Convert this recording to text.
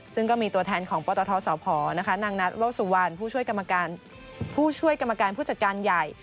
ซึ่งก็มีตัวแทนของปตทสพนางนัทโลสุวรรณผู้ช่วยผู้ช่วยกรรมการผู้จัดการใหญ่